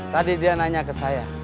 tadi dia nanya ke saya